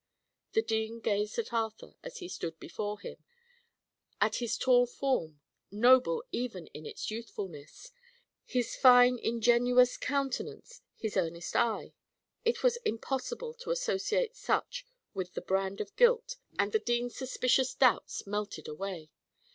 The dean gazed at Arthur as he stood before him; at his tall form noble even in its youthfulness his fine, ingenuous countenance, his earnest eye; it was impossible to associate such with the brand of guilt, and the dean's suspicious doubts melted away.